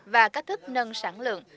và cách thức nâng sản lượng